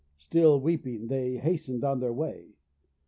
Still weeping, they hastened on their way.